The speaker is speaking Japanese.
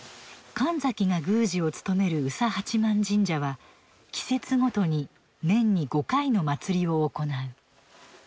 神崎が宮司を務める宇佐八幡神社は季節ごとに年に５回の祭りを行う。